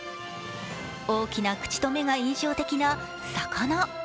大きな口と目が印象的な魚。